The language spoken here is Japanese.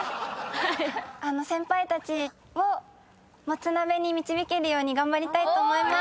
先輩たちをもつ鍋に導けるように頑張りたいと思います！